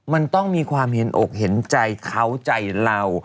มันต้องมีความเห็นอกเห็นใจเขาใจเรา